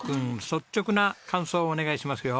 率直な感想をお願いしますよ。